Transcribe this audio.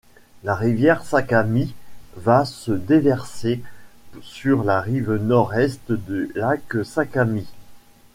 La rivière Sakami va se déverser sur la rive nord-est du lac Sakami.